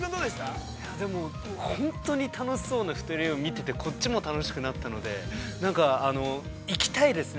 でも、本当に楽しそうな２人を見ててこっちも楽しくなったのでなんか、行きたいですね。